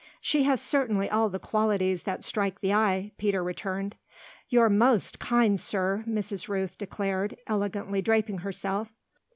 "She has certainly all the qualities that strike the eye," Peter returned. "You're most kind, sir!" Mrs. Rooth declared, elegantly draping herself.